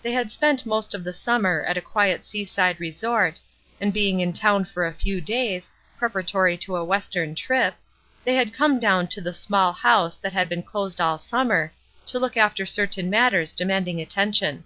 They had spent most of the summer at a quiet seaside resort, and being in town for a few days, preparatory to a Western trip, they had come down to the "small house" that had been closed all summer, to look after certain matters de manding attention.